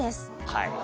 はい。